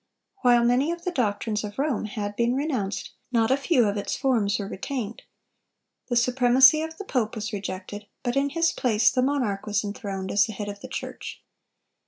While many of the doctrines of Rome had been renounced, not a few of its forms were retained. The supremacy of the pope was rejected, but in his place the monarch was enthroned as the head of the church.